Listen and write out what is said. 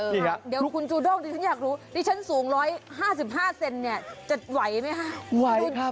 ไวครับ